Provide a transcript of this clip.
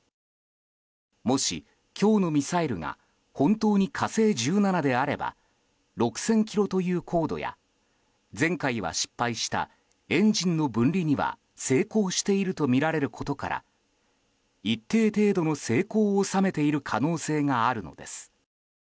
もし今日のミサイルが本当に「火星１７」であれば６０００ｋｍという高度や前回は失敗したエンジンの分離には成功しているとみられることから一定程度の成功を収めている可能性があるのです。